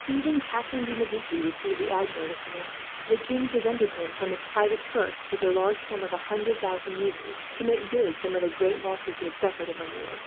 Even Catharine de Medici received the Admiral with warmth. The king presented him, from his private purse, with the large sum of a hundred thousand livres; to make good some of the great losses he had suffered in the war.